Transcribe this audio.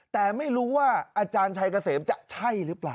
แต่ไม่รู้ว่าอาจารย์ชัยเกษมจะใช่หรือเปล่า